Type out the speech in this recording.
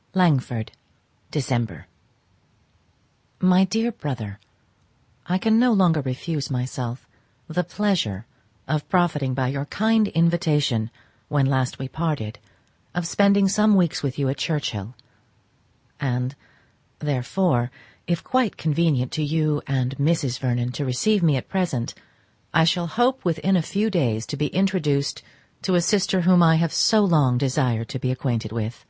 _ Langford, Dec. MY DEAR BROTHER,—I can no longer refuse myself the pleasure of profiting by your kind invitation when we last parted of spending some weeks with you at Churchhill, and, therefore, if quite convenient to you and Mrs. Vernon to receive me at present, I shall hope within a few days to be introduced to a sister whom I have so long desired to be acquainted with.